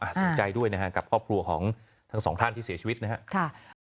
สนใจด้วยนะครับกับครอบครัวของทั้งสองท่านที่เสียชีวิตนะครับ